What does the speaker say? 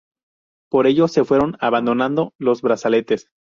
Por ello, se fueron abandonando los brazaletes.